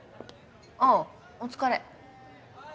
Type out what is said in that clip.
ああお疲れ。